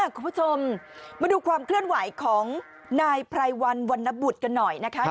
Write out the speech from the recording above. คุณผู้ชมมาดูความเคลื่อนไหวของนายไพรวันวันนบุตรกันหน่อยนะคะ